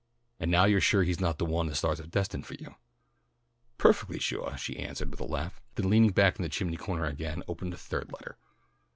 "And now you're sure he's not the one the stars have destined for you?" "Perfectly suah," she answered with a laugh, then leaning back in the chimney corner again, opened the third letter.